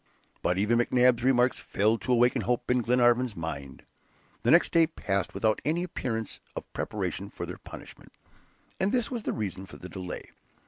But even McNabbs' remarks failed to awaken hope in Glenarvan's mind. The next day passed without any appearance of preparation for their punishment; and this was the reason of the delay.